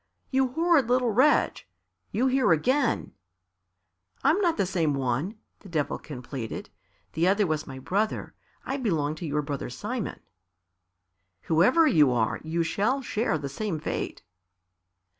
"You horrid little wretch! You here again!" "I'm not the same one," the Devilkin pleaded. "The other was my brother. I belong to your brother Simon." "Whoever you are you shall share the same fate."